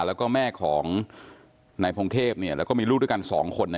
แล้วก็แม่ของนายพงเทพแล้วก็มีลูกด้วยกัน๒คน